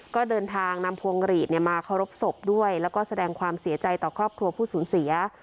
ก็เดินทางนำพวงหลีดมาเคารพศพด้วยแล้วก็แสดงความเสียใจต่อครอบครัวผู้สูญเสีย